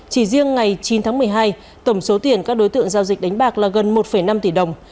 chỉ riêng ngày chín tháng một mươi hai tổng số tiền các đối tượng giao dịch đánh bạc là gần một năm tỷ đồng